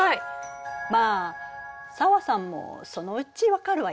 まあ紗和さんもそのうち分かるわよ。